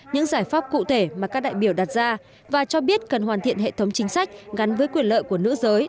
những giải pháp cụ thể mà các đại biểu đặt ra và cho biết cần hoàn thiện hệ thống chính sách gắn với quyền lợi của nữ giới